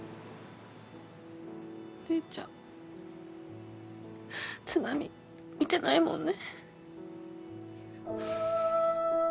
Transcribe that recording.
お姉ちゃん津波見てないもんね。